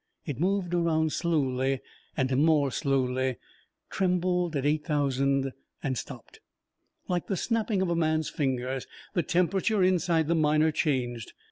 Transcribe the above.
It moved around slowly and more slowly; trembled at eight thousand and stopped. Like the snapping of a man's fingers, the temperature inside the Miner changed.